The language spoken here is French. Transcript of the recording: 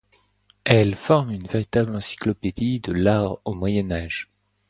Elles forment une véritable encyclopédie de l'art au Moyen Âge.